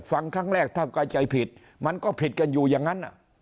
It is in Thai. ฟังครั้งแรกถ้ากายใจผิดมันก็ผิดกันอยู่อย่างนั้น